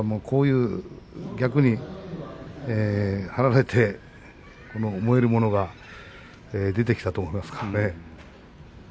逆に、張られて燃えるものが出てきたと思いますね。